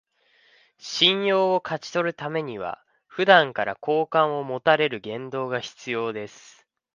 信用を勝ち取るためには、普段から好感を持たれる言動が必要です